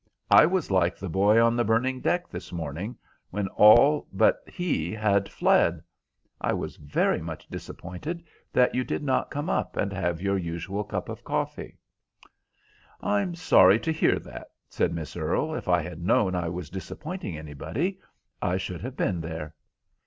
"I was like the boy on the burning deck this morning, when all but he had fled. I was very much disappointed that you did not come up, and have your usual cup of coffee." "I am sorry to hear that," said Miss Earle; "if I had known I was disappointing anybody I should have been here."